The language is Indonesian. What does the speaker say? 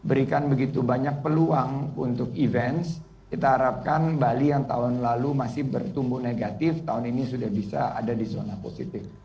berikan begitu banyak peluang untuk event kita harapkan bali yang tahun lalu masih bertumbuh negatif tahun ini sudah bisa ada di zona positif